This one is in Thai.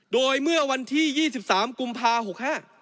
โดยเมื่อวันที่๒๓กุมภาคม๖๕